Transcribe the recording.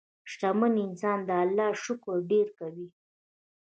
شتمن انسان د الله شکر ډېر کوي.